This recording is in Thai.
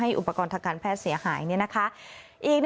ให้อุปกรณ์ทางการแพทย์เสียหายนี้นะคะอีก